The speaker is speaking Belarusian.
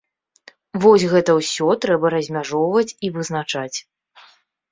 Вось гэта ўсё трэба размяжоўваць і вызначаць.